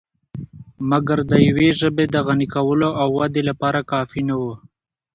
مګر دا دیوې ژبې د غني کولو او ودې لپاره کافی نه وو .